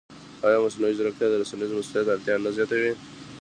ایا مصنوعي ځیرکتیا د رسنیز مسوولیت اړتیا نه زیاتوي؟